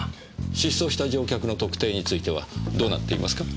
失踪した乗客の特定についてはどうなっていますか？